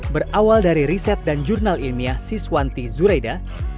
berawal dari riset dan jurnal ilmiah siswanti zureda